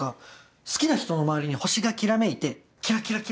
好きな人の周りに星がきらめいてキラキラキラ。